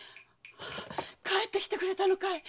帰ってきてくれたのかい？